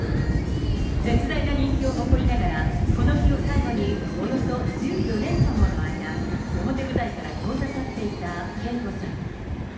絶大な人気を誇りながら、この日を最後におよそ１４年間もの間、表舞台から遠ざかっていたＫＥＩＫＯさん。